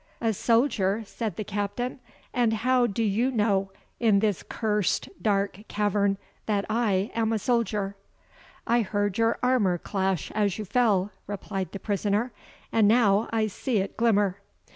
"A soldier?" said the Captain; "and how do you know, in this cursed dark cavern, that I am a soldier?" "I heard your armour clash as you fell," replied the prisoner, "and now I see it glimmer.